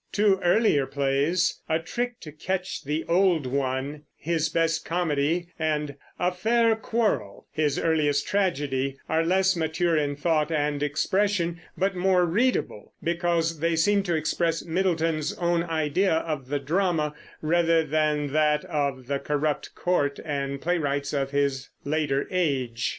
Two earlier plays, A Trick to catch the Old One, his best comedy, and A Fair Quarrel, his earliest tragedy, are less mature in thought and expression, but more readable, because they seem to express Middleton's own idea of the drama rather than that of the corrupt court and playwrights of his later age.